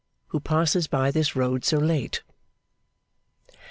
Who passes by this Road so late?